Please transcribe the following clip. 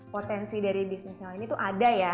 potensi dari bisnis sewa ini tuh ada ya